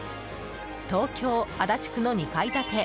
東京・足立区の２階建て。